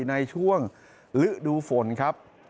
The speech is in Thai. ในช่วงฤดูฝนครับ